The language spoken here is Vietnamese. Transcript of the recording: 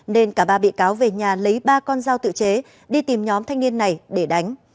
nên cả ba bị cáo về nhà lấy ba con dao tự chế đi tìm nhóm thanh niên này để đánh